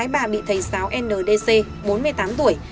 bà bị thầy giáo ndc bốn mươi tám tuổi